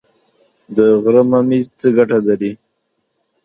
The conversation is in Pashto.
د غره ممیز څه ګټه لري؟